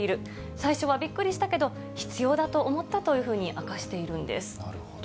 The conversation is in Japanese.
最初はびっくりしたけど、必要だと思ったというふうに明かしているんです。